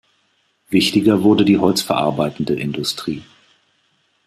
Wichtiger wurde die holzverarbeitende Industrie.